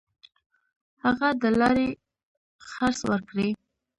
هغه د لارې خرڅ ورکړي.